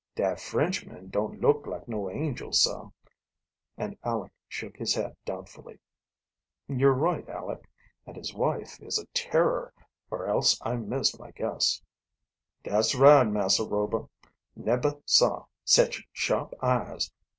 "Dat Frenchman don't look like no angel, sah," and Aleck shook his head doubtfully. "You're right, Aleck, and his wife is a terror, or else I miss my guess." "Dat's right, Massah Rober; nebber saw sech sharp eyes.